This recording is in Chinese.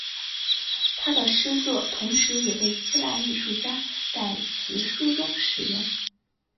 他的诗作也同时被希腊艺术家在其书中使用。